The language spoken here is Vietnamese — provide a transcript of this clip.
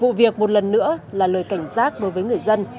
vụ việc một lần nữa là lời cảnh giác đối với người dân